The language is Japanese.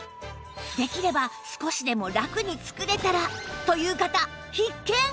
できれば少しでもラクに作れたらという方必見！